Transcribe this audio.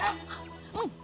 うん！